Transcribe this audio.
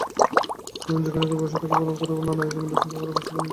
যেখানে কবি বসন্তকে বরণ করার নানা আয়োজনে ব্যস্ত থাকবেন, সেখানে তিনি নীরব-নিশ্চুপ।